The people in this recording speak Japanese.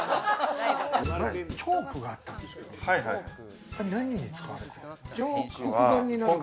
チョークがあったんですよ、あれは何に使われるんですか？